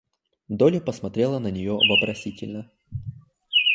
Долли посмотрела на нее вопросительно.